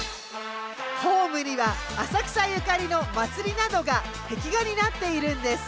ホームには浅草ゆかりの祭りなどが壁画になっているんです。